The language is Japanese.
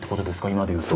今で言うと。